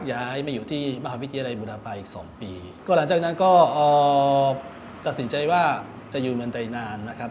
ย้ายมาอยู่ที่มหาวิทยาลัยบุรพาอีกสองปีก็หลังจากนั้นก็ตัดสินใจว่าจะอยู่เมืองไทยนานนะครับ